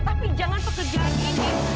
tapi jangan pekerjaan gini